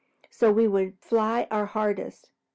So we would fly our hardest.